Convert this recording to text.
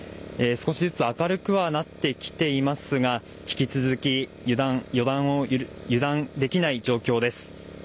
少しずつ明るくはなってきていますが引き続き油断できない状況です。